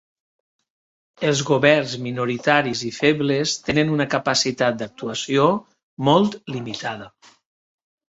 Els governs minoritaris i febles tenen una capacitat d’actuació molt limitada.